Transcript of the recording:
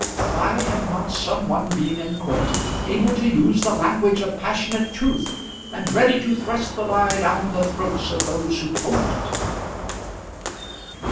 Why had not some one been in court able to use the language of passionate truth and ready to thrust the lie down the throats of those who told it?